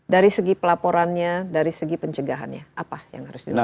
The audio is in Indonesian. dari segi pelaporannya dari segi pencegahannya apa yang harus dilakukan